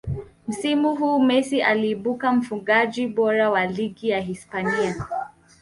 msimu huu Messi aliibuka mfungaji bora wa ligi ya hispania